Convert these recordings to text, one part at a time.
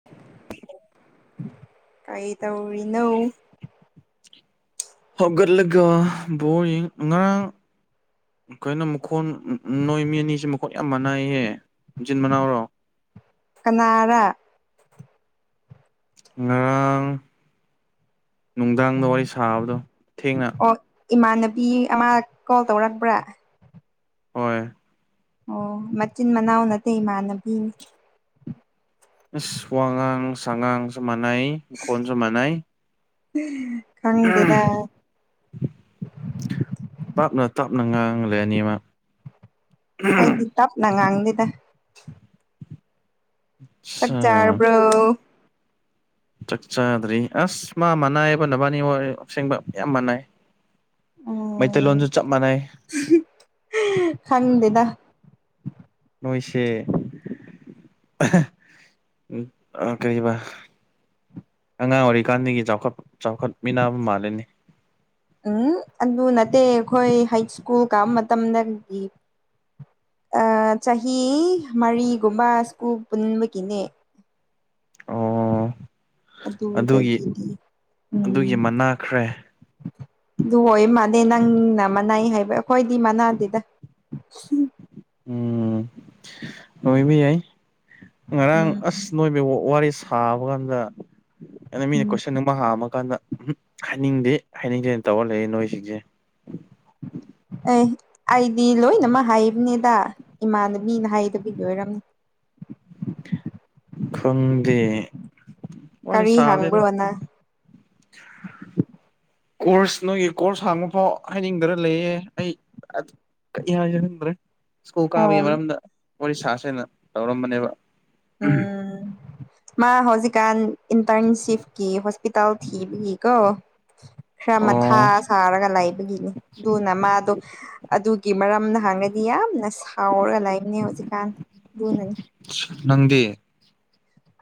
[inaudible] ꯀꯩ ꯇꯧꯔꯤꯅꯣ ꯍꯧꯒꯠꯂꯒ ꯕꯣꯜ ꯌꯦꯡ ꯉꯔꯥꯡ ꯀꯩꯅꯣ ꯃꯈꯣꯟ ꯅꯣꯏ ꯃꯤ ꯑꯅꯤꯖꯦ ꯃꯈꯣꯟ ꯌꯥꯝ ꯃꯥꯅꯩꯍꯦ ꯃꯆꯤꯟ ꯃꯅꯥꯎꯔꯣ ꯀꯅꯔꯥ ꯉꯔꯥꯡ ꯅꯨꯡꯗꯥꯡꯗ ꯋꯥꯔꯤ ꯁꯥꯕꯗꯣ ꯊꯦꯡꯅ ꯑꯣ ꯏꯃꯥꯟꯅꯕꯤ ꯑꯃ ꯀꯣꯜ ꯇꯧꯔꯛꯄ꯭ꯔꯥ ꯍꯣꯏ ꯑꯣ ꯃꯆꯤꯟ ꯃꯅꯥꯎ ꯅꯠꯇꯦ ꯏꯃꯥꯟꯅꯕꯤꯅꯤ ꯏꯁ ꯋꯥꯉꯥꯡ ꯁꯉꯥꯡꯖꯨ ꯃꯥꯟꯅꯩ ꯈꯣꯟꯖꯨ ꯃꯥꯟꯅꯩ ꯎꯝ ꯄꯥꯞꯅ ꯇꯥꯞꯅ ꯉꯥꯡ ꯂꯩꯔꯅꯤ ꯃ ꯑꯩꯗꯤ ꯇꯞꯅ ꯉꯥꯡꯗꯦꯗ ꯆꯥꯛ ꯑꯁꯥ ꯆꯥꯔꯕ꯭ꯔꯣ ꯆꯥꯛ ꯆꯥꯗ꯭ꯔꯤ ꯑꯁ ꯃꯥ ꯃꯥꯟꯅꯥꯏꯕ ꯅꯕꯥꯟꯅꯤ ꯑꯣꯏ ꯑꯁꯦꯡꯕ ꯌꯥꯝ ꯃꯥꯟꯅꯩ ꯎꯝ ꯃꯩꯇꯩꯂꯣꯟꯖꯨ ꯆꯞ ꯃꯥꯟꯅꯩ ꯈꯪꯗꯦꯗ ꯅꯣꯏꯁꯦ ꯑꯥ ꯀꯩ ꯑꯥꯕ ꯑꯉꯥꯡ ꯑꯣꯏꯔꯤꯀꯥꯟꯗꯒꯤ ꯆꯥꯎꯈꯠ ꯆꯥꯎꯈꯠꯃꯤꯟꯅꯕ ꯃꯥꯜꯂꯦꯅꯦ ꯎꯝ ꯑꯗꯨ ꯅꯠꯇꯦ ꯑꯩꯈꯣꯏ ꯍꯏꯁ꯭ꯀꯨꯜ ꯀꯥꯕ ꯃꯇꯝꯗꯒꯤ ꯆꯍꯤ ꯃꯔꯤꯒꯨꯝꯕ ꯁ꯭ꯀꯨꯜ ꯄꯨꯟꯕꯒꯤꯅꯦ ꯑꯣ ꯑꯗꯨꯒꯤ ꯑꯗꯨꯗꯒꯤꯗꯤ ꯑꯗꯨꯒꯤ ꯎꯝ ꯃꯟꯅꯥꯈ꯭ꯔꯦ ꯑꯗꯨ ꯑꯣꯏ ꯃꯥꯥꯟꯅꯦ ꯅꯪꯅ ꯃꯅꯥꯏ ꯍꯥꯏꯕ ꯑꯩꯈꯣꯏꯗꯤ ꯃꯟꯅꯥꯗꯦꯗ ꯎꯝ ꯑꯣꯏꯕ ꯌꯥꯏ ꯉꯔꯥꯡ ꯎꯝ ꯑꯁ ꯅꯣꯏꯕꯦ ꯋꯥꯔꯤ ꯁꯥꯕ ꯀꯥꯟꯗ ꯑꯩꯅ ꯃꯤꯅ ꯎꯝ ꯀꯣꯏꯁꯟ ꯋꯥ ꯍꯥꯝꯃꯀꯥꯟꯗ ꯎꯝ ꯍꯥꯏꯅꯤꯡꯗꯦ ꯍꯥꯏꯅꯤꯡꯗꯦꯅ ꯇꯧꯔ ꯂꯩꯌꯦ ꯅꯣꯏꯁꯤꯡꯁꯦ [inaudible] ꯑꯦ ꯑꯩꯗꯤ ꯂꯣꯏꯅꯃꯛ ꯍꯥꯏꯕꯅꯦꯗ ꯏꯃꯥꯟꯅꯕꯤꯅ ꯍꯥꯏꯗꯕꯒꯤ ꯑꯣꯏꯔꯝꯅꯤ ꯈꯪꯗꯦ ꯋꯥꯔꯤ ꯀꯔꯤ ꯁꯥꯕꯗꯤ ꯑꯗꯨꯝ ꯍꯪꯕ꯭ꯔꯣ ꯅꯪ [inaudible] ꯀꯣꯔꯁ ꯅꯣꯏꯒꯤ ꯀꯣꯔꯁ ꯍꯥꯡꯕ ꯐꯥꯎ ꯍꯥꯏꯅꯤꯡꯗꯔ ꯂꯩꯌꯦ ꯑꯩ ꯀꯔꯤ ꯍꯥꯏꯁꯤꯅꯣ ꯈꯪꯗ꯭ꯔꯦ ꯁ꯭ꯀꯨꯜ ꯑꯣ ꯀꯥꯕꯒꯤ ꯃꯔꯝꯗ ꯋꯥꯔꯤ ꯁꯥꯁꯦꯅ ꯇꯧꯔꯝꯕꯅꯦꯕ ꯎꯝ ꯃꯥ ꯍꯧꯖꯤꯛꯀꯥꯟ ꯏꯟꯇ꯭ꯔꯟꯁꯤꯞꯀꯤ ꯍꯣꯁꯄꯤꯇꯥꯜ ꯊꯤꯕꯒꯤꯀꯣ ꯈꯔ ꯃꯊꯥ ꯑꯣ ꯁꯥꯔꯒ ꯂꯩꯕꯒꯤꯅꯤ ꯑꯗꯨꯅ ꯃꯥꯗꯣ ꯑꯗꯨꯒꯤ ꯃꯔꯝꯗ ꯍꯪꯔꯗꯤ ꯌꯥꯝꯅ ꯁꯥꯎꯔꯒ ꯂꯩꯕꯅꯦ ꯍꯧꯖꯤꯛꯀꯥꯟ ꯑꯗꯨꯅꯥꯅꯦ ꯅꯪꯗꯤ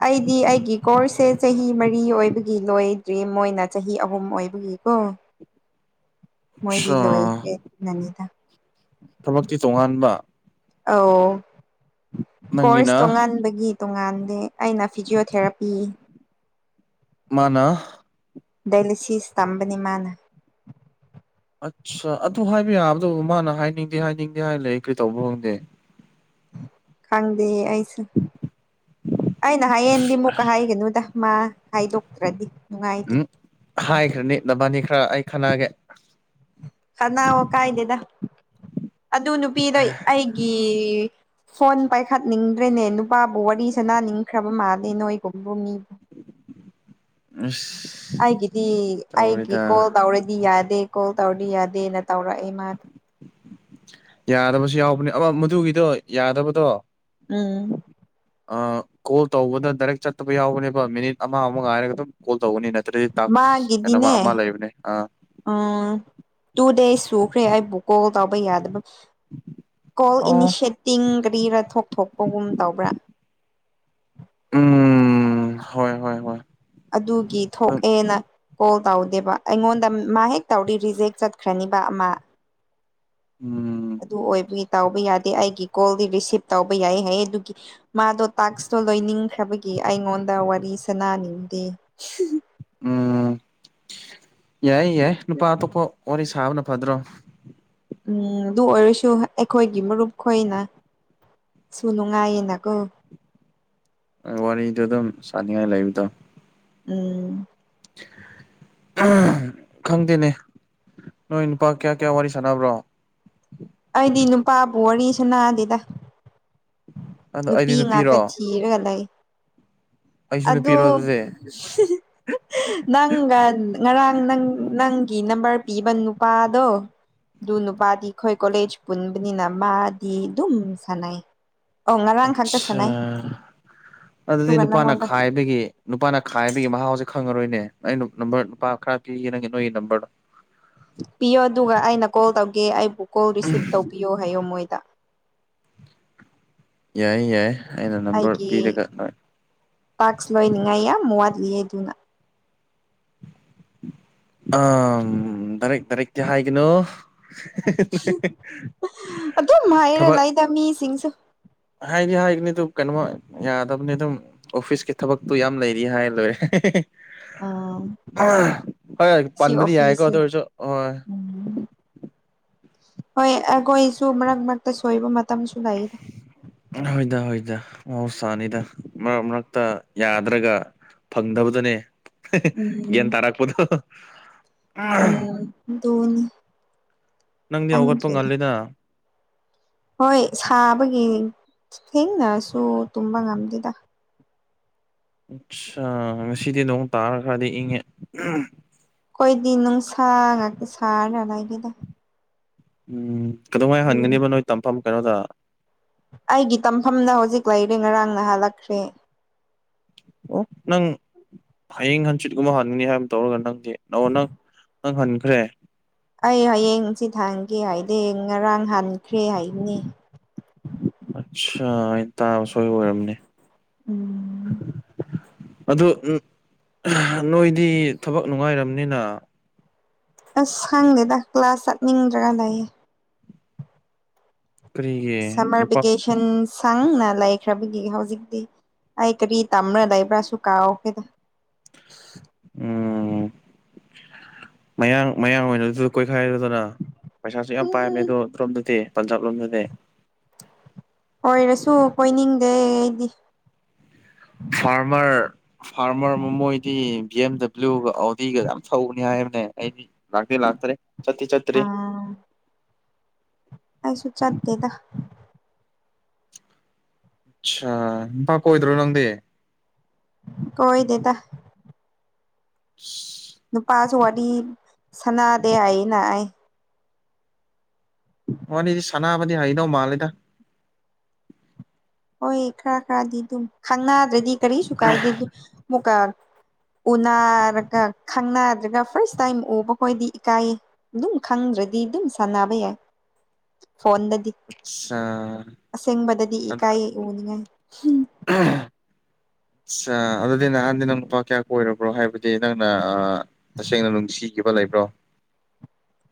ꯑꯩꯗꯤ ꯑꯩꯒꯤ ꯀꯣꯔꯁꯁꯦ ꯆꯍꯤ ꯃꯔꯤ ꯑꯣꯏꯕꯒꯤ ꯂꯣꯏꯗ꯭ꯔꯤ ꯃꯣꯏꯅ ꯆꯍꯤ ꯑꯍꯨꯝ ꯑꯣꯏꯕꯒꯤꯀꯣ ꯃꯣꯏꯗꯤ ꯑꯆꯥ ꯂꯣꯏꯈ꯭ꯔꯦ ꯅꯅꯤꯗ ꯊꯕꯛꯇꯤ ꯇꯣꯉꯥꯟꯕ ꯑꯎ ꯅꯪꯒꯤꯅ ꯀꯣꯔꯁ ꯇꯣꯉꯥꯟꯕꯒꯤ ꯇꯣꯉꯥꯟꯗꯦ ꯑꯩꯅ ꯐꯤꯖꯤꯌꯣꯊꯦꯔꯥꯄꯤ ꯃꯥꯅ ꯗꯏꯂꯁꯤꯁ ꯇꯝꯕꯅꯦ ꯃꯥꯅ ꯑꯠꯁ ꯑꯗꯨ ꯍꯥꯏꯕ ꯌꯥꯕꯗꯕꯨ ꯃꯥꯅ ꯍꯥꯏꯅꯤꯡꯗꯦ ꯍꯥꯏꯅꯤꯡꯗꯦ ꯍꯥꯏ ꯂꯩ ꯀꯩ ꯇꯧꯕ꯭ꯔꯥ ꯈꯪꯗꯦ ꯈꯪꯗꯦ ꯑꯩꯁꯨ ꯑꯩꯅ ꯍꯥꯏꯌꯦꯗꯤ ꯑꯁ ꯃꯨꯛꯀ ꯍꯥꯏꯒꯅꯨꯗ ꯃꯥ ꯍꯥꯏꯗꯣꯛꯇ꯭ꯔꯗꯤ ꯅꯨꯡꯉꯥꯏꯇꯦ ꯎꯝꯍ ꯍꯥꯏꯈ꯭ꯔꯅꯤ ꯅꯕꯥꯅꯤ ꯈꯔ ꯑꯩ ꯈꯠꯅꯒꯦ ꯇꯠꯅꯧꯋꯣ ꯀꯥꯏꯗꯦꯗ ꯑꯗꯨ ꯅꯨꯄꯤꯗꯣ ꯑꯩꯒꯤ ꯐꯣꯟ ꯄꯥꯏꯈꯠꯅꯤꯡꯗ꯭ꯔꯦꯅꯦ ꯅꯨꯄꯥꯕꯨ ꯋꯔꯤ ꯁꯅꯅꯤꯡꯈ꯭ꯔꯕ ꯃꯥꯜꯂꯦ ꯅꯣꯏꯒꯨꯝꯕ ꯃꯤ ꯑꯁ ꯑꯩꯒꯤꯗꯤ ꯑꯩꯒꯤ ꯇꯧꯔꯦꯗ ꯀꯣꯜ ꯇꯧꯔꯗꯤ ꯌꯥꯗꯦ ꯀꯣꯜ ꯇꯧꯔꯗꯤ ꯌꯥꯗꯦꯅ ꯇꯧꯔꯛꯑꯦ ꯃꯥꯗꯣ ꯌꯥꯗꯕꯁꯨ ꯌꯥꯎꯕꯅꯤ ꯑꯃ ꯃꯗꯨꯒꯤꯗꯣ ꯌꯥꯗꯕꯗꯣ ꯎꯝ ꯑꯥ ꯀꯣꯜ ꯇꯧꯕꯗ ꯗꯥꯏꯔꯦꯛ ꯆꯠꯇꯕ ꯌꯥꯎꯕꯅꯦꯕ ꯃꯤꯅꯤꯠ ꯑꯃ ꯑꯃ ꯉꯥꯏꯔꯒ ꯑꯗꯨꯝ ꯀꯣꯜ ꯇꯧꯕꯅꯤꯅ ꯇ꯭ꯔꯤ ꯇꯥꯛꯁ ꯍꯥꯏꯅ ꯃꯥꯒꯤꯗꯤꯅꯦ ꯑꯃ ꯂꯩꯕꯅꯦ ꯑ ꯎꯝ ꯇꯨ ꯗꯦꯖ ꯁꯨꯈ꯭ꯔꯦ ꯑꯩꯕꯨ ꯀꯣꯜ ꯇꯧꯕ ꯌꯥꯗꯕ ꯀꯣꯜ ꯑꯣ ꯏꯅꯤꯁꯦꯇꯤꯡ ꯀꯔꯤꯔꯥ ꯊꯣꯛ ꯊꯣꯛꯣꯛꯄꯒꯨꯝ ꯇꯧꯕ꯭ꯔꯥ ꯎꯝ ꯍꯣꯏ ꯍꯣꯏ ꯍꯣꯏ ꯑꯗꯨꯒꯤ ꯊꯣꯛꯑꯦꯅ ꯀꯣꯜ ꯇꯧꯗꯦꯕ ꯑꯩꯉꯣꯟꯗ ꯃꯥ ꯍꯦꯛ ꯇꯧꯔꯤ ꯔꯤꯖꯦꯛ ꯆꯠꯈ꯭ꯔꯅꯤꯕ ꯑꯃ ꯎꯝ ꯑꯗꯨ ꯑꯣꯏꯕꯒꯤ ꯇꯧꯕ ꯌꯥꯗꯦ ꯑꯩꯒꯤ ꯀꯣꯜꯗꯤ ꯔꯤꯁꯤꯞ ꯇꯧꯕ ꯌꯥꯏ ꯍꯥꯏꯌꯦ ꯑꯗꯨꯒꯤ ꯃꯥꯗꯣ ꯇꯥꯛꯁꯇꯣ ꯂꯣꯏꯅꯤꯡꯈ꯭ꯔꯕꯒꯤ ꯑꯩꯉꯣꯟꯗ ꯋꯥꯔꯤ ꯁꯅꯥꯅꯤꯡꯗꯦ ꯎꯝ ꯌꯥꯏ ꯌꯥꯏ ꯅꯨꯄꯥ ꯑꯇꯣꯞꯄ ꯋꯥꯔꯤ ꯁꯥꯕꯅ ꯐꯗ꯭ꯔꯣ ꯎꯝ ꯑꯗꯨ ꯑꯣꯏꯔꯁꯨ ꯑꯩꯈꯣꯏꯒꯤ ꯃꯔꯨꯞ ꯈꯣꯏꯅ ꯁꯨ ꯅꯨꯡꯉꯥꯏꯌꯦꯅꯀꯣ ꯋꯥꯔꯤꯗꯨ ꯑꯗꯨꯝ ꯁꯥꯅꯤꯡꯉꯥꯏ ꯂꯩꯕꯗꯣ ꯎꯝ ꯑꯍꯝ ꯈꯪꯗꯦꯅꯦ ꯅꯣꯏ ꯅꯨꯄꯥ ꯀꯌꯥ ꯀꯌꯥ ꯋꯥꯔꯤ ꯁꯥꯟꯅꯕ꯭ꯔꯣ ꯑꯩꯗꯤ ꯅꯨꯄꯥꯕꯨ ꯋꯥꯔꯤ ꯁꯅꯥꯗꯦꯗ ꯑꯗꯣ ꯅꯨꯄꯤ ꯑꯩꯗꯤ ꯉꯥꯛꯇ ꯅꯨꯄꯤꯔꯣ ꯊꯤꯔꯒ ꯂꯩ ꯑꯩꯁꯨ ꯑꯗꯣ ꯅꯨꯄꯤꯔꯣ ꯑꯗꯨꯗꯤ [unintelligible] ꯅꯪꯒ ꯉꯔꯥꯡ ꯅꯪ ꯅꯪꯒꯤ ꯅꯝꯕꯔ ꯄꯤꯕ ꯅꯨꯄꯥꯗꯣ ꯑꯗꯨ ꯅꯨꯄꯥꯗꯤ ꯑꯩꯈꯣꯏ ꯀꯣꯂꯦꯖ ꯄꯨꯟꯕꯅꯤꯅ ꯃꯥꯗꯤ ꯑꯗꯨꯝ ꯁꯥꯟꯅꯩ ꯑꯧ ꯉꯔꯥꯡ ꯈꯛꯇ ꯑꯠꯁ ꯁꯥꯟꯅꯩ ꯑꯗꯨꯗꯤ ꯑꯗꯨꯒ ꯅꯨꯄꯥꯅ ꯅꯪꯉꯣꯟꯗ ꯈꯥꯏꯕꯒꯤ ꯅꯨꯄꯥꯅ ꯈꯥꯏꯕꯒꯤ ꯃꯍꯥꯎꯖꯦ ꯈꯪꯉꯔꯣꯏꯅꯦ ꯑꯩꯅ ꯅꯝꯕꯔ ꯅꯨꯨꯄꯥ ꯈꯔ ꯄꯤꯒꯦ ꯅꯪꯒꯤ ꯅꯣꯏꯒꯤ ꯅꯝꯕꯔꯗꯣ ꯄꯤꯌꯣ ꯑꯗꯨꯒ ꯑꯩꯅ ꯀꯣꯜ ꯇꯧꯒꯦ ꯑꯩꯕꯨ ꯀꯣꯜ ꯔꯤꯁꯤꯞ ꯇꯧꯕꯤꯌꯣ ꯍꯥꯏꯌꯣ ꯃꯣꯏꯗ ꯌꯥꯏꯌꯦ ꯌꯥꯏꯌꯦ ꯑꯩꯅ ꯅꯝꯕꯔ ꯄꯤꯔꯒ ꯅꯣꯏ ꯄꯥꯛꯁ ꯂꯣꯏꯅꯤꯡꯉꯥꯏ ꯌꯥꯝ ꯋꯥꯠꯂꯤꯌꯦ ꯑꯗꯨꯅ ꯑꯝ ꯗꯥꯏꯔꯦꯛ ꯗꯥꯏꯔꯦꯛꯇꯤ ꯍꯥꯏꯒꯅꯨ [unintelligible] ꯑꯗꯨꯝ ꯍꯥꯏꯔ ꯂꯩꯗ ꯃꯤꯁꯤꯡꯁꯨ ꯍꯥꯏꯒꯤ ꯍꯥꯏꯒꯅꯤ ꯑꯗꯨꯝ ꯀꯩꯅꯣꯃ ꯌꯥꯗꯕꯅꯤ ꯑꯗꯨꯝ ꯑꯣꯐꯤꯁꯀꯤ ꯊꯕꯛꯇꯣ ꯌꯥꯝ ꯂꯩꯔꯤ ꯍꯥꯏ ꯂꯣꯏꯔꯦ ꯑꯥ ꯑꯍ ꯍꯣꯏ ꯁꯤ ꯄꯟꯕꯗꯤ ꯌꯥꯏꯀꯣ ꯑꯗꯨ ꯑꯣꯐꯤꯁꯁꯦ ꯑꯣꯏꯔꯁꯨ ꯍꯣꯏ ꯎꯝ ꯍꯣꯏ ꯑꯩꯈꯣꯏꯁꯨ ꯃꯔꯛ ꯃꯔꯛꯇ ꯁꯣꯏꯕ ꯃꯇꯝꯁꯨ ꯂꯩ ꯍꯣꯏꯗ ꯍꯣꯏꯗ ꯃꯍꯧꯁꯥꯅꯤꯗ ꯃꯔꯛ ꯃꯔꯛꯇ ꯌꯥꯗ꯭ꯔꯒ ꯐꯪꯗꯕꯗꯨꯅꯦ ꯒ꯭ꯌꯥꯟ ꯎꯝ ꯇꯥꯔꯛꯄꯗꯣ ꯎꯝ ꯑꯗꯨꯅꯤ ꯅꯪꯗꯤ ꯍꯧꯒꯠꯄ ꯈꯪꯗ꯭ꯔꯦ ꯉꯜꯂꯤꯗ ꯍꯣꯏ ꯁꯥꯕꯒꯤ ꯊꯦꯡꯅꯁꯨ ꯇꯨꯝꯕ ꯉꯝꯗꯦꯗꯥ ꯉꯁꯤꯗꯤ ꯅꯣꯡ ꯇꯥꯔ ꯈꯔꯗꯤ ꯏꯪꯉꯦ ꯑꯩꯈꯣꯏꯗꯤ ꯅꯨꯡꯁꯥ ꯉꯥꯛꯇ ꯁꯥꯔꯒ ꯂꯩꯇꯦꯗ ꯎꯝ ꯀꯗꯧꯉꯩ ꯑꯗꯨꯅ ꯍꯟꯒꯅꯤꯕ ꯅꯣꯏ ꯇꯝꯐꯝ ꯀꯩꯅꯣꯗ ꯑꯩꯒꯤ ꯇꯝꯐꯝꯗ ꯍꯧꯖꯤꯛ ꯂꯩꯔꯦ ꯉꯔꯥꯡꯅ ꯍꯜꯂꯛꯈ꯭ꯔꯦ ꯑꯣ ꯅꯪ ꯍꯌꯦꯡ ꯍꯪꯆꯤꯠꯀꯨꯝꯕ ꯍꯟꯒꯅꯤ ꯍꯥꯏꯕ ꯇꯧꯔꯒ ꯅꯪꯗꯤ ꯑꯣ ꯅꯪ ꯅꯪ ꯍꯟꯈ꯭ꯔꯦ ꯑꯩ ꯍꯌꯦꯡ ꯆꯤꯠ ꯊꯥꯡꯒꯦ ꯍꯥꯏꯗꯦ ꯉꯔꯥꯡ ꯍꯟꯈ꯭ꯔꯦ ꯍꯥꯏꯕꯅꯦ ꯑꯠꯁꯥ ꯑꯩꯅ ꯇꯥꯕ ꯁꯣꯏꯕ ꯑꯣꯏꯔꯝꯅꯤ ꯎꯝ ꯑꯗꯨ ꯎꯝ ꯑꯍꯥ ꯅꯣꯏꯗꯤ ꯊꯕꯛ ꯅꯨꯡꯉꯥꯏꯔꯝꯅꯤꯅ ꯑꯁ ꯈꯪꯗꯦꯗ ꯀ꯭ꯂꯥꯁ ꯆꯠꯅꯤꯡꯗ꯭ꯔꯒ ꯂꯩꯌꯦ ꯀꯔꯤꯒꯤ ꯁꯝꯃꯔ ꯅꯨꯄꯥ ꯚꯦꯀꯦꯁꯟ ꯁꯪꯅ ꯂꯩꯈ꯭ꯔꯕꯒꯤ ꯍꯧꯖꯤꯛꯇꯤ ꯑꯩ ꯀꯔꯤ ꯇꯝꯔ ꯂꯩꯕ꯭ꯔꯥꯁꯨꯨ ꯀꯥꯎꯈꯔꯦꯗ ꯎꯝ ꯃꯌꯥꯡ ꯃꯌꯥꯡ ꯑꯣꯏꯔꯁꯨ ꯀꯣꯏꯈꯥꯏꯌꯨꯗꯅ ꯄꯩꯁꯥꯁꯨ ꯌꯥꯝ ꯄꯥꯏꯕꯃꯦ ꯎꯝ ꯑꯗꯣ ꯇ꯭ꯔꯣꯝꯗꯗꯤ ꯄꯟꯖꯥꯕ ꯂꯣꯝꯗꯗꯤ ꯑꯣꯏꯔꯁꯨ ꯀꯣꯏꯅꯤꯡꯗꯦ ꯑꯩꯗꯤ ꯐꯥꯔꯃꯔ ꯐꯥꯔꯃꯔ ꯃ ꯃꯣꯏꯗꯤ ꯕꯤ ꯑꯦꯝ ꯗꯕ꯭ꯂꯤꯎꯒ ꯑꯧꯗꯤꯒ ꯌꯥꯝ ꯊꯧꯕꯅꯤ ꯍꯥꯏꯕꯅꯦ ꯑꯩꯗꯤ ꯂꯥꯛꯇꯤ ꯂꯥꯛꯇꯔꯦ ꯆꯠꯇꯤ ꯆꯠꯇ꯭ꯔꯤ ꯑꯥ ꯑꯩꯁꯨ ꯆꯠꯇꯦꯗ ꯑꯠꯁꯥ ꯅꯨꯄꯥ ꯀꯣꯏꯗ꯭ꯔꯣ ꯅꯪꯗꯤ ꯀꯣꯏꯗꯦꯗ [unintelligible] ꯅꯨꯄꯥꯁꯨ ꯋꯥꯔꯤ ꯁꯟꯅꯥꯗꯦ ꯍꯥꯏꯅ ꯑꯩ ꯋꯥꯔꯤꯗꯤ ꯁꯟꯅꯥꯕꯗꯤ ꯍꯩꯗꯧ ꯃꯥꯜꯂꯤꯗ ꯍꯣꯏ ꯈꯔ ꯈꯔꯗꯤ ꯗꯨꯝ ꯈꯪꯅꯗ꯭ꯔꯗꯤ ꯀꯔꯤꯁꯨ ꯀꯥꯏꯗꯦ ꯗꯨꯝ ꯃꯨꯛꯀꯥ ꯎꯅꯔꯒ ꯈꯪꯅꯗ꯭ꯔꯒ ꯐꯥꯔꯁ ꯇꯥꯏꯝ ꯎꯕꯈꯣꯏꯗꯤ ꯏꯀꯥꯏꯌꯦ ꯗꯨꯝ ꯈꯪꯗ꯭ꯔꯗꯤ ꯗꯨꯝ ꯁꯥꯟꯅꯕ ꯌꯥꯏ ꯐꯣꯟꯗꯗꯤ ꯑꯆꯥ ꯑꯁꯦꯡꯕꯗꯗꯤ ꯏꯀꯥꯏꯌꯦ ꯎꯅꯤꯡꯉꯥꯏ [unintelligible] ꯑꯠꯁꯥ ꯑꯗꯨꯗꯤ ꯅꯍꯥꯟꯗꯤ ꯅꯪ ꯅꯨꯄꯥ ꯀꯌꯥ ꯀꯣꯏꯔꯕ꯭ꯔꯣ ꯍꯥꯏꯕꯗꯤ ꯅꯪꯅ ꯑꯥ ꯇꯁꯦꯡꯅ ꯅꯨꯡꯁꯤꯈꯤꯕ ꯂꯩꯕ꯭ꯔꯣ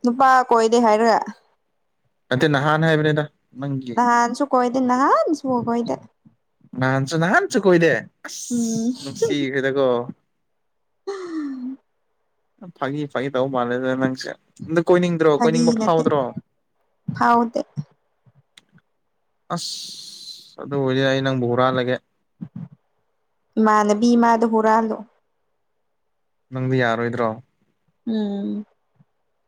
ꯅꯨꯄꯥ ꯀꯣꯏꯗꯦ ꯍꯥꯏꯔ ꯅꯠꯇꯦ ꯅꯍꯥꯟ ꯍꯥꯏꯕꯅꯦꯗ ꯅꯪꯒꯤ ꯅꯍꯥꯟꯁꯨꯨ ꯀꯣꯏꯗꯦ ꯅꯍꯥꯟꯁꯨ ꯀꯣꯏꯗꯦ ꯅꯍꯥꯟꯁꯨ ꯅꯍꯥꯟꯁꯨ ꯀꯣꯏꯗꯦ ꯎꯝ ꯑꯁ ꯅꯨꯡꯁꯤꯈ꯭ꯔꯦꯗꯀꯣ ꯐꯥꯒꯤ ꯐꯥꯒꯤ ꯇꯧꯕ ꯃꯥꯜꯂꯦꯗ ꯅꯪꯁꯦ ꯑꯗ ꯀꯣꯏꯅꯤꯡꯗ꯭ꯔꯣ ꯐꯥꯒꯤ ꯀꯣꯏꯅꯤꯡꯕ ꯅꯠꯇꯦ ꯐꯥꯎꯗ꯭ꯔꯣ ꯐꯥꯎꯗꯦ ꯑꯁ ꯑꯗꯨ ꯑꯣꯏꯗꯤ ꯑꯩ ꯅꯪꯕꯨ ꯍꯨꯔꯥꯜꯂꯒꯦ ꯏꯃꯥꯟꯅꯕꯤ ꯃꯗꯣ ꯍꯨꯔꯥꯜꯂꯣ ꯅꯪꯗꯤ ꯌꯥꯔꯣꯏꯗ꯭ꯔꯣ ꯎꯝ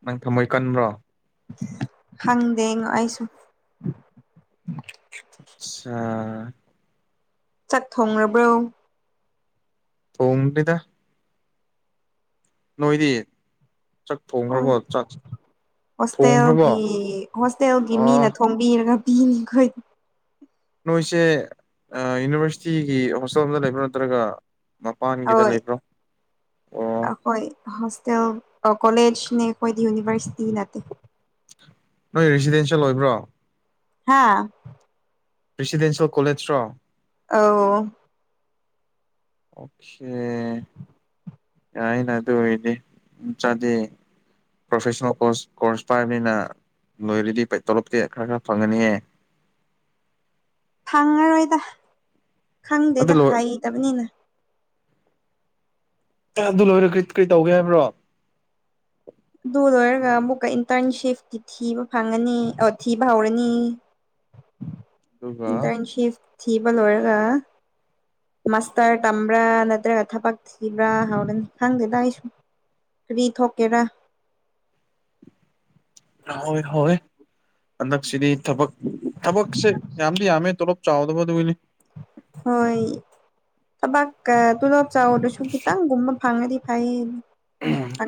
ꯅꯪ ꯊꯝꯃꯣꯏ ꯀꯟꯕ꯭ꯔꯣ ꯍꯪꯗꯦꯉ ꯑꯩꯁꯨ ꯁꯥ ꯆꯥꯛ ꯊꯣꯡꯔꯕ꯭ꯔꯣ ꯊꯣꯡꯗꯦꯗ ꯅꯣꯏꯗꯤ ꯆꯥꯛ ꯍꯣꯏ ꯊꯣꯡꯈ꯭ꯔꯕꯣ ꯆꯥꯛ ꯊꯣꯡꯈ꯭ꯔꯕꯣ ꯍꯣꯁꯇꯦꯜꯒꯤ ꯍꯣꯁꯇꯦꯜꯒꯤ ꯑꯣ ꯃꯤꯅ ꯊꯣꯡ ꯕꯤꯔꯒ ꯄꯤꯅꯤꯈꯣꯏ ꯅꯣꯏꯁꯦ ꯌꯨꯅꯤꯚꯔꯁꯤꯇꯤꯒꯤ ꯍꯣꯁꯇꯦꯜꯗ ꯂꯩꯕ꯭ꯔꯥ ꯅꯠꯇ꯭ꯔꯒ ꯃꯄꯥꯟꯒꯤꯗ ꯂꯩꯕ꯭ꯔꯣ ꯑꯣ ꯍꯣꯏ ꯍꯣꯁꯇꯦꯜ ꯀꯣꯂꯦꯖꯅꯦ ꯑꯩꯈꯣꯏꯗꯤ ꯌꯨꯅꯤꯚꯔꯁꯤꯇꯤ ꯅꯠꯇꯦ ꯅꯣꯏ ꯔꯦꯁꯤꯗꯦꯟꯁꯤꯌꯦꯜ ꯑꯣꯏꯕ꯭ꯔꯣ ꯍꯥꯥ ꯔꯦꯁꯤꯗꯦꯟꯁꯤꯌꯦꯜ ꯀꯣꯂꯦꯖꯔꯣ ꯑꯥꯑꯣ ꯑꯣꯈꯦ ꯌꯥꯏꯅ ꯑꯗꯨ ꯑꯣꯏꯔꯗꯤ [unintelligible] ꯆꯥꯗꯦ ꯄ꯭ꯔꯣꯐꯦꯁꯅꯦꯜ ꯀꯣꯔꯁ ꯀꯣꯔꯁ ꯄꯥꯏꯕꯅꯤꯅ ꯂꯣꯏꯔꯗꯤ ꯇꯣꯂꯣꯞꯇꯤ ꯈꯔ ꯈꯔ ꯐꯪꯉꯅꯤꯌꯦ ꯐꯪꯉꯔꯣꯏꯗ ꯑꯗꯨ ꯈꯪꯗꯦꯗ ꯂꯣꯏ ꯍꯩꯇꯕꯅꯤꯅ ꯑꯦ ꯑꯗꯨ ꯂꯣꯏꯔ ꯀꯔꯤ ꯀꯔꯤ ꯇꯧꯒꯦ ꯍꯥꯏꯕ꯭ꯔꯣ ꯑꯗꯨ ꯂꯣꯏꯔꯒ ꯑꯃꯨꯛꯀ ꯏꯟꯇꯔꯟꯁꯤꯞꯇꯤ ꯊꯤꯕ ꯐꯪꯉꯅꯤ ꯊꯤꯕ ꯍꯧꯔꯅꯤ ꯑꯗꯨꯒ ꯏꯟꯇꯔꯟꯁꯤꯞ ꯊꯤꯕ ꯂꯣꯏꯔꯒ ꯃꯥꯁꯇꯔ ꯇꯝꯕ꯭ꯔꯥ ꯅꯠꯇ꯭ꯔꯒ ꯊꯕꯛ ꯊꯤꯕ꯭ꯔꯥ ꯍꯧꯔꯅꯤ ꯈꯪꯗꯦꯗ ꯑꯩꯁꯨ ꯀꯔꯤ ꯊꯣꯛꯀꯦꯔꯥ ꯍꯥꯎꯋꯦ ꯍꯥꯎꯋꯦ ꯍꯟꯗꯛꯁꯤꯗꯤ ꯊꯕꯛ ꯊꯕꯛꯁꯦ ꯌꯥꯝꯗꯤ ꯌꯥꯝꯃꯦ ꯇꯣꯂꯣꯞ ꯆꯥꯎꯗꯕꯗꯨꯒꯤꯅꯤ ꯍꯣꯏ ꯊꯕꯥꯛꯀ ꯇꯣꯂꯣꯞ ꯆꯥꯎꯗꯁꯨ ꯈꯤꯇꯪꯒꯨꯝꯕ ꯐꯪꯉꯗꯤ ꯐꯩꯌꯦ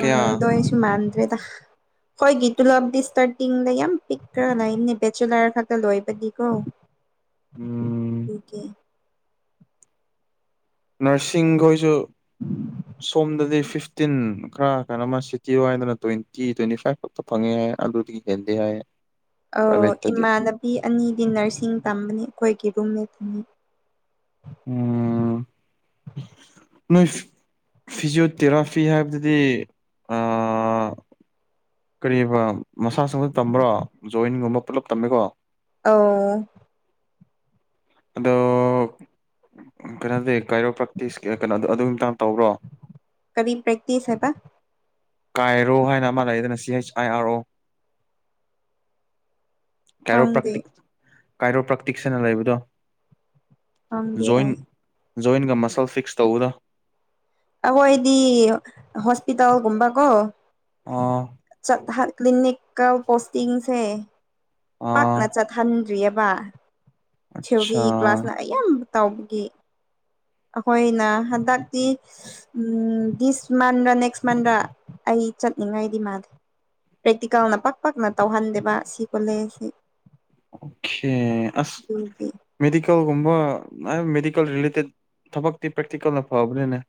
ꯀꯌꯥ ꯃꯥꯟꯗ꯭ꯔꯦꯗ ꯈꯣꯏꯒꯤ ꯇꯨꯂꯞꯗꯤ ꯏꯁꯇꯥꯔꯇꯤꯡꯗ ꯌꯥꯝ ꯄꯤꯛꯔ ꯂꯩꯅꯤ ꯕꯦꯆꯦꯂꯔ ꯈꯛꯇ ꯂꯣꯏꯕꯗꯤꯀꯣ ꯎꯝ [unintelligible] ꯀꯦ ꯅꯔꯁꯤꯡꯈꯣꯏꯁꯨ ꯁꯣꯝꯗꯗꯤ ꯐꯤꯐ ꯇꯤꯟ ꯈꯔ ꯀꯅꯣꯃ ꯁꯤꯇꯤꯋꯥꯏꯗꯅ ꯇ꯭ꯋꯦꯟꯇꯤ ꯇ꯭ꯋꯦꯟꯇꯤ ꯐꯥꯏꯚ ꯈꯛꯇ ꯐꯪꯉꯦ ꯍꯥꯏꯌꯦ ꯑꯗꯨꯗꯒꯤ ꯍꯦꯟꯗꯦ ꯍꯥꯏꯌꯦ ꯑꯣ ꯏꯃꯥꯟꯅꯕꯤ ꯑꯅꯤꯗꯤ ꯅꯔꯁꯤꯡ ꯇꯝꯕꯅꯤ ꯑꯩꯈꯣꯏꯒꯤ ꯔꯨꯝꯃꯦꯠ ꯑꯅꯤ [unintelligible] ꯅꯣꯏ ꯐꯤꯖꯤꯑꯣꯊꯦꯔꯥꯐꯤ ꯍꯥꯏꯕꯗꯨꯗꯤ ꯑꯥ ꯀꯔꯤꯕ ꯃꯁꯥꯁ [unintelligible] ꯇꯝꯕ꯭ꯔꯣ ꯖꯣꯏꯟꯒꯨꯝꯕ ꯄꯨꯜꯂꯞ ꯇꯝꯃꯦꯀꯣ [unintelligible] ꯑꯗꯣ ꯀꯩꯅꯣꯗꯤ ꯀꯥꯏꯔꯣꯄ꯭ꯔꯦꯛꯇꯤꯁꯀꯤ ꯀꯩꯅꯣꯗꯣ ꯑꯗꯨꯒꯤ ꯃꯇꯥꯡ ꯇꯧꯕ꯭ꯔꯣ ꯀꯕꯤ ꯄꯔ꯭ꯦꯛꯇꯛꯇꯤꯁ ꯍꯥꯏꯕ ꯀꯥꯏꯔꯣ ꯍꯥꯏꯅ ꯑꯃ ꯂꯩꯗꯅ ꯁꯤ ꯍꯩꯆ ꯑꯥꯏ ꯑꯥꯔ ꯑꯣ ꯀꯥꯏꯔꯣ ꯈꯪꯗꯦ ꯄ꯭ꯔꯥꯛꯇꯤꯛ ꯀꯥꯏꯔꯣ ꯄ꯭ꯔꯥꯛꯇꯤꯛꯁ ꯍꯥꯏꯅ ꯂꯩꯕꯗꯣ ꯈꯪꯗꯦ ꯖꯣꯏꯟ ꯑꯩ ꯖꯣꯏꯟꯒ ꯃꯁꯜ ꯐꯤꯛꯁ ꯇꯧꯕꯗꯣ ꯑꯍꯣꯏꯗꯤ ꯍꯣꯁꯄꯤꯇꯥꯜꯒꯨꯝꯕꯀꯣ ꯑꯣ ꯆꯠ [unintelligible] ꯀ ꯄꯣꯁꯇꯤꯡꯁꯦ ꯑꯥ ꯄꯥꯛꯅ ꯆꯠ ꯈꯟꯗ꯭ꯔꯤꯑꯦꯕ ꯑꯠꯆꯥ ꯊꯤꯋꯣꯔꯤ ꯀ꯭ꯂꯥꯁꯅ ꯑꯌꯥꯝꯕ ꯇꯥꯎꯕꯒꯤ ꯑꯩꯈꯣꯏꯅ ꯍꯟꯗꯛꯇꯤ ꯎꯝ ꯗꯤꯁ ꯃꯟꯗꯂ ꯅꯦꯛꯁ ꯃꯟꯗ ꯑꯩ ꯆꯠꯅꯤꯡꯉꯥꯏꯗꯤ ꯃꯥꯗꯤ ꯄ꯭ꯔꯦꯛꯇꯤꯀꯦꯜꯅ ꯄꯥꯛ ꯄꯥꯛꯅ ꯇꯧꯍꯟꯗꯦꯕ ꯁꯤ ꯀꯣꯂꯦꯖ ꯁꯤ ꯑꯣꯀꯦ ꯑꯁ [unintelligible] ꯃꯦꯗꯤꯀꯦꯜꯒꯨꯝꯕ ꯑꯥ ꯃꯦꯗꯤꯀꯦꯜ ꯔꯤꯂꯦꯇꯦꯠ ꯊꯕꯛꯇꯤ ꯄ꯭ꯔꯦꯛꯇꯤꯀꯦꯜꯅ ꯐꯕꯅꯤꯅꯦ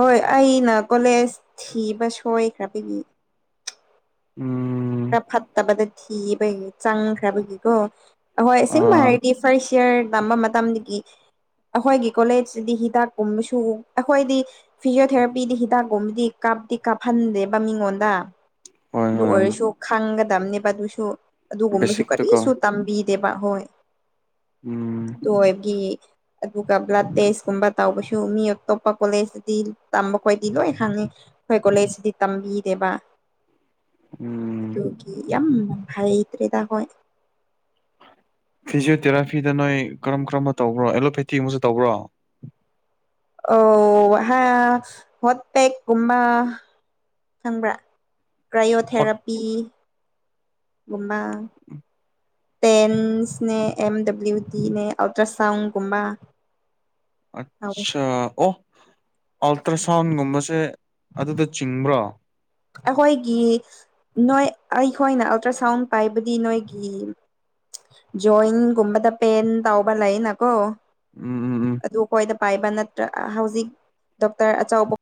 ꯍꯣꯏ ꯑꯩꯅ ꯀꯣꯂꯦꯖ ꯊꯤꯕ ꯁꯣꯏꯈ꯭ꯔꯕꯒꯤ ꯎꯝ ꯈꯔ ꯐꯠꯇꯕꯗ ꯊꯤꯕꯒꯤ ꯆꯪꯈ꯭ꯔꯕꯒꯤꯀꯣ ꯑꯍꯣꯏ ꯑꯁꯤꯡꯕ ꯑꯥ ꯍꯥꯏꯔꯗꯤ ꯐꯔꯁ ꯌꯔ ꯇꯝꯕ ꯃꯇꯝꯗꯒꯤ ꯑꯩꯈꯣꯏꯒꯤ ꯀꯣꯂꯦꯖꯁꯤꯗꯤ ꯍꯤꯗꯥꯛ ꯀꯨꯝꯕꯁꯨ ꯑꯩꯈꯣꯏꯗꯤ ꯐꯤꯖꯤꯌꯣꯊꯦꯔꯥꯄꯤꯗꯤ ꯍꯤꯗꯥꯛꯀꯨꯝꯕꯗꯤ ꯀꯥꯞꯇꯤ ꯀꯥꯞꯍꯟꯗꯦꯕ ꯃꯤꯉꯣꯟꯗ ꯍꯣꯏ ꯑꯗꯨ ꯍꯣꯏ ꯑꯣꯏꯔꯁꯨ ꯈꯪꯒꯗꯕꯅꯦꯕ ꯑꯗꯨꯁꯨ ꯑꯗꯨꯒꯨꯝꯕꯁꯨ ꯕꯦꯁꯤꯛꯇꯀꯣ ꯀꯔꯤꯁꯨ ꯇꯝꯕꯤꯗꯦꯕ ꯍꯣꯏ ꯎꯝ ꯑꯗꯨ ꯑꯣꯏꯕꯒꯤ ꯑꯗꯨꯒ ꯕ꯭ꯂꯗ ꯇꯦꯁꯀꯨꯝꯕ ꯇꯧꯕꯁꯨ ꯃꯤ ꯑꯇꯣꯞꯄ ꯀꯣꯂꯦꯖꯇꯗꯤ ꯇꯝꯕ ꯈꯣꯏꯗꯤ ꯂꯣꯏ ꯈꯪꯉꯤ ꯑꯩꯈꯣꯏ ꯀꯣꯂꯦꯖꯁꯤꯗꯤ ꯇꯝꯕꯤꯗꯦꯕ ꯎꯝ ꯑꯗꯨꯒꯤ ꯌꯥꯝ ꯍꯩꯇ꯭ꯔꯦꯗ ꯍꯣꯏ ꯐꯤꯖꯤꯌꯣꯊꯦꯔꯥꯐꯤꯗ ꯅꯣꯏ ꯀꯔꯝ ꯀꯔꯝꯕ ꯇꯧꯕ꯭ꯔꯣ ꯑꯦꯂꯣꯄꯦꯊꯤ ꯑꯃꯁꯨ ꯇꯧꯕ꯭ꯔꯣ ꯑꯣ ꯍꯥ ꯍꯣꯠꯄꯦꯛ ꯀꯨꯝꯕ ꯈꯪꯕ꯭ꯔꯥ ꯍꯣꯠ ꯀ꯭ꯔꯥꯏꯌꯣꯊꯦꯔꯥꯄꯤ ꯒꯨꯝꯕ ꯇꯦꯟꯁꯅꯦ ꯑꯦꯝ ꯗꯕ꯭ꯂꯤꯎ ꯗꯤꯅꯦ ꯑꯜꯇ꯭ꯔꯥꯁꯥꯎꯟꯒꯨꯝꯕ [inaudible] ꯑꯠꯁ ꯑꯣ ꯑꯜꯇ꯭ꯔꯥꯁꯥꯎꯟꯒꯨꯝꯕꯁꯦ ꯑꯗꯨꯗ ꯆꯤꯡꯕ꯭ꯔꯣ ꯑꯩꯈꯣꯏꯒꯤ ꯅꯣꯏ ꯑꯩꯈꯣꯏꯅ ꯑꯜꯇ꯭ꯔ ꯁꯥꯎꯟ ꯄꯥꯏꯕꯗꯤ ꯅꯣꯏꯒꯤ ꯖꯣꯏꯟꯒꯨꯝꯕꯗ ꯄꯦꯟ ꯇꯎꯕ ꯂꯩꯅꯀꯣ ꯎꯝꯍꯝꯍꯝ ꯑꯗꯨ ꯑꯩꯈꯣꯏꯗ ꯄꯥꯏꯕ ꯅꯠꯇ꯭ꯔꯥ ꯍꯧꯖꯤꯛ ꯗꯣꯛꯇꯔ ꯑꯆꯧꯕ